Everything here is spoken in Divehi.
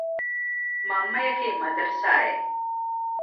މަންމަޔަކީ މަދަރުސާއެއް